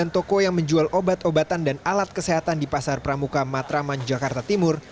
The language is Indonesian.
dua ratus enam puluh sembilan toko yang menjual obat obatan dan alat kesehatan di pasar pramuka matraman jakarta timur